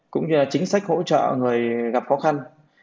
cũng như là chính sách hỗ trợ người gặp khó khăn